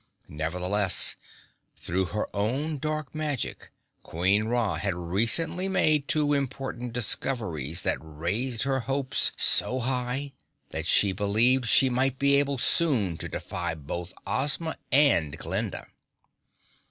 Nevertheless, through her own dark magic, Queen Ra had recently made two important discoveries that raised her hopes so high that she believed she might be able soon to defy both Ozma and Glinda.